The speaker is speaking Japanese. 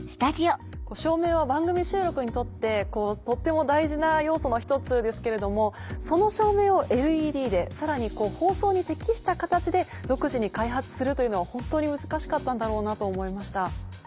照明は番組収録にとってとっても大事な要素の１つですけれどもその照明をＬＥＤでさらに放送に適した形で独自に開発するというのは本当に難しかったんだろうなと思いました。